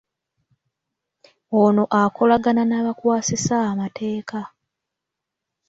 Ono akolagana n'abakwasisa amateeeka.